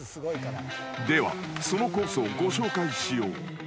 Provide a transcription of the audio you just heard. ［ではそのコースをご紹介しよう］